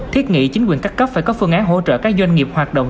thiết nghĩ chính quyền các cấp phải có phương án hỗ trợ các doanh nghiệp hoạt động